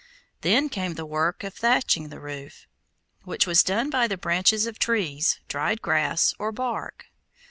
Then came the work of thatching the roof, which was done by the branches of trees, dried grass, or bark.